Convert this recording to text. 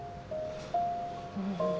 うん。